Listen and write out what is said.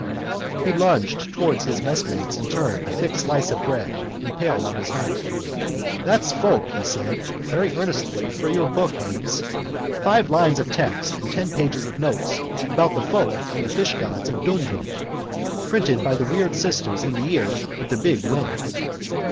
_ He lunged towards his messmates in turn a thick slice of bread, impaled on his knife. —That's folk, he said very earnestly, for your book, Haines. Five lines of text and ten pages of notes about the folk and the fishgods of Dundrum. Printed by the weird sisters in the year of the big wind.